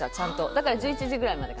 だから１１時ぐらいまで。